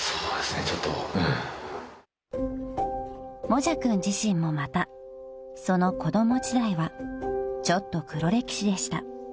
［もじゃくん自身もまたその子供時代はちょっと黒歴史でした］